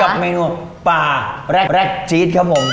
กับเมนูปลาแร็ดจี๊ดครับผม